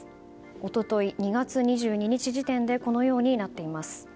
一昨日２月２２日時点でこのようになっています。